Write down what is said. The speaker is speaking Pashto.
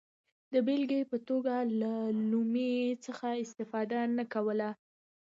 د بېلګې په توګه له لومې څخه استفاده نه کوله.